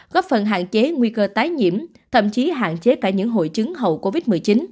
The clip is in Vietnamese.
góp phần hạn chế nguy cơ tái nhiễm thậm chí hạn chế cả những hội chứng hậu covid một mươi chín